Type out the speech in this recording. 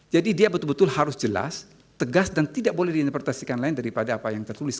dia betul betul harus jelas tegas dan tidak boleh diinterpretasikan lain daripada apa yang tertulis